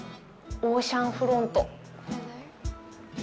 オーシャンフロント。